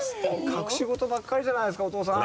隠し事ばっかりじゃないですかお父さん。